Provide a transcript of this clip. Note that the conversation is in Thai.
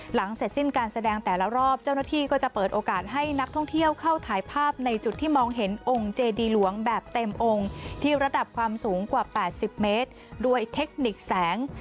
หลังเสร็จสิ้นการแสดงแต่ละรอบเจ้าหน้าที่ก็จะเปิดโอกาสให้นักท่องเที่ยวเข้าถ่ายภาพในจุดที่มองเห็นองค์เจดีหลวงแบบเต็มองค์ที่ระดับความสูงกว่า๘๐เมตรด้วยเทคนิคแสง